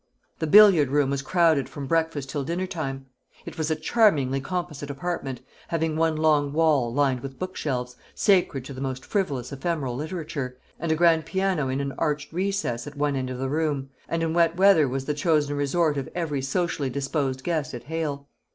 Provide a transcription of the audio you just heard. The billiard room was crowded from breakfast till dinner time. It was a charmingly composite apartment having one long wall lined with bookshelves, sacred to the most frivolous ephemeral literature, and a grand piano in an arched recess at one end of the room and in wet weather was the chosen resort of every socially disposed guest at Hale.